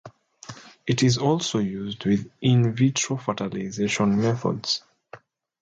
It is also used with "in vitro" fertilization methods.